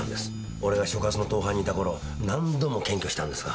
俺が所轄の盗犯にいた頃何度も検挙したんですが。